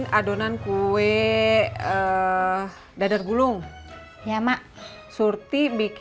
bapak mau ke rumah babes